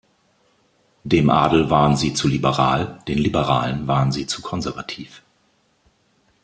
Dem Adel waren sie zu liberal, den Liberalen waren sie zu konservativ.